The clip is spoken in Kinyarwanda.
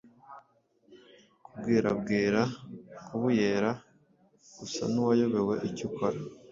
Kubwerabwera: kubuyera usa n’uwayobewe icyo ukora